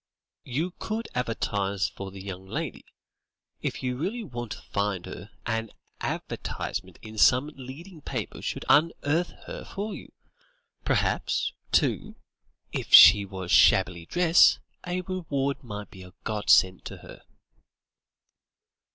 "You could advertise for the young lady. If you really want to find her, an advertisement in some leading paper should unearth her for you. Perhaps, too, if she was shabbily dressed, a reward might be a god send to her."